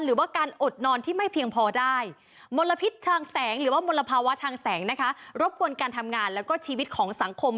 หรือว่ามลภาวะทางแสงนะคะรบกวนการทำงานแล้วก็ชีวิตของสังคม